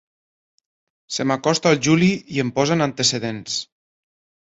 Se m'acosta el Juli i em posa en antecedents.